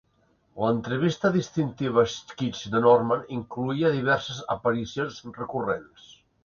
L'entrevista distintiva "shtick" de Norman incloïa diverses aparicions recurrents.